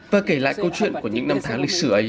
và kể lại câu chuyện của những năm tháng